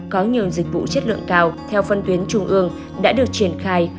có nhiều dịch vụ chất lượng cao theo phân tuyến trung ương đã được triển khai